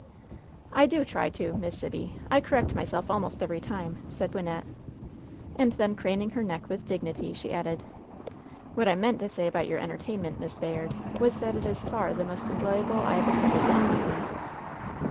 "I do try to. Miss Sibby! I correct myself almost every time," said Wynnette, and then craning her neck with dignity, she added — "What I meant to say about your entertainment, Miss Bayard, was that it is far the most enjoyable I have attended this season."